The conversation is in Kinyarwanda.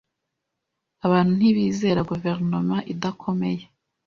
Abantu ntibizera guverinoma idakomeye.